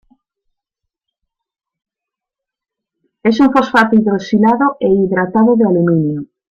Es un fosfato hidroxilado e hidratado de aluminio.